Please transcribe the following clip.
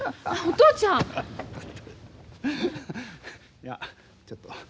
いやちょっと。